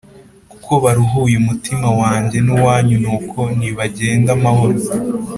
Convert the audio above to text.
kuko baruhuye umutima wanjye n uwanyu nuko nibagende amahoro